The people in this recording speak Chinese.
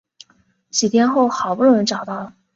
几天后好不容易找到了